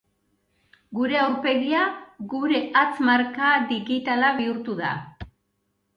Gure aurpegia gure hatz-marka digitala bihurtu da.